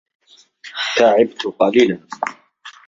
تعبت قليلًا.